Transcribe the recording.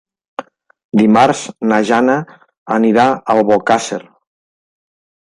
Dimarts na Jana anirà a Albocàsser.